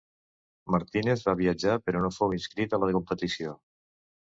Martínez va viatjar, però no fou inscrit a la competició.